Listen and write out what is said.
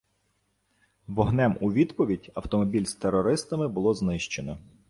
Вогнем у відповідь автомобіль з терористами було знищено.